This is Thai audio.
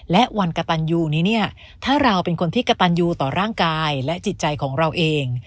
และวันกระตันยูนี้เนี่ยถ้าเราเป็นคนที่กระตันยูต่อร่างกายและจิตใจของเราเอง